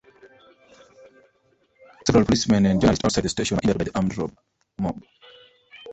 Several policemen and journalists outside the station were injured by the armed mob.